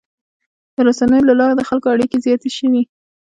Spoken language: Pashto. د رسنیو له لارې د خلکو اړیکې زیاتې شوي.